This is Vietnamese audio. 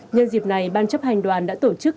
nhân dịp này ban chấp hành đoàn đã tổ chức